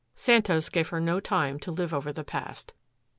Santos gave her no time to live over the past.